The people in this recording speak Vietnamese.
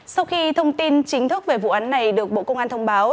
sau khi thông tin chính thức về vụ án này được bộ công an thông báo